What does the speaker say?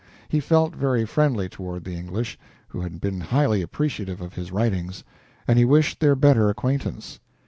He felt very friendly toward the English, who had been highly appreciative of his writings, and he wished their better acquaintance.